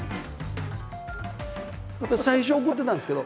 やっぱり最初は怒ってたんですけど。